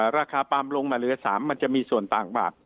ราคาปาล์มลงมาเหลือ๓มันจะมีส่วนต่างบาท